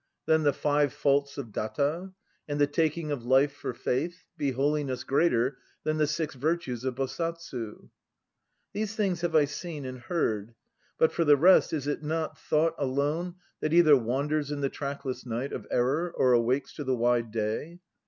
Than the Five Faults of Datta; l And the taking of life for faith Be holiness greater Than the six virtues of Bosatsu. 2 These things have I seen and heard. But for the rest, is it not Thought alone That either wanders in the trackless night Of Error or awakes to the wide day?